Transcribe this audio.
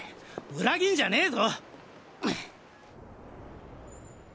裏切んじゃねぇぞ！